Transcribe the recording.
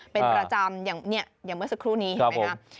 เป็นประจำอย่างเมื่อสักครู่นี้เห็นไหมคะ